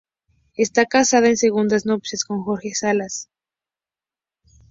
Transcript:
Está casada en segundas nupcias con Jorge Salas.